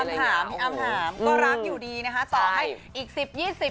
อ้ำถามอ้ำถามก็รักอยู่ดีนะคะ